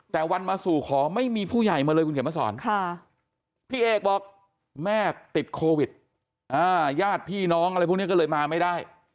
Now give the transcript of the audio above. แต่วันมาสู่ขอไม่มีผู้ใหญ่มาเลยคุณเขียนมาสอนพี่เอกบอกแม่ติดโควิดญาติพี่น้องอะไรพวกนี้ก็เลยมาไม่ได้